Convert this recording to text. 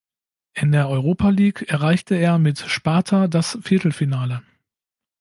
In der Europa League erreichte er mit Sparta das Viertelfinale.